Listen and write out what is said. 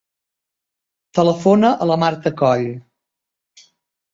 Telefona a la Marta Coll.